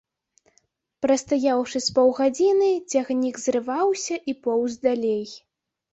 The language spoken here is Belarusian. Прастаяўшы з паўгадзіны, цягнік зрываўся і поўз далей.